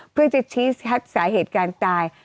เพื่อจะชี้ชัดสาเหตุการณ์ตาย